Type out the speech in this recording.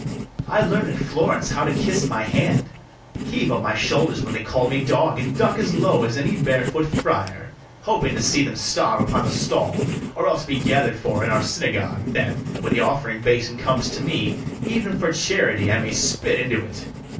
I learn'd in Florence how to kiss my hand, Heave up my shoulders when they call me dog, And duck as low as any bare foot friar; Hoping to see them starve upon a stall, Or else be gather'd for in our synagogue, That, when the offering basin comes to me, Even for charity I may spit into't.